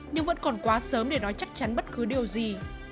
nhưng vẫn còn quá sớm để nói chắc chắn bất cứ điều gì